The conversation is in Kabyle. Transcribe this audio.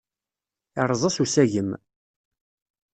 Irreẓ-as usagem.